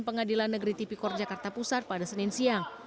pengadilan negeri tipikor jakarta pusat pada senin siang